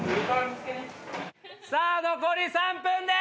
さあ残り３分です。